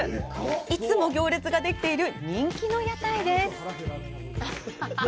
いつも行列ができている人気の屋台です。